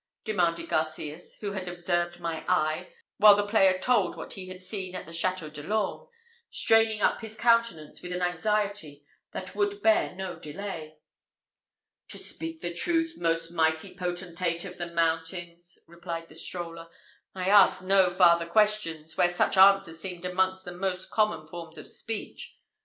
demanded Garcias, who had observed my eye, while the player told what he had seen at the Château de l'Orme, straining up his countenance with an anxiety that would bear no delay. "To speak the truth, most mighty potentate of the mountains," replied the stroller, "I asked no farther questions where such answers seemed amongst the most common forms of speech.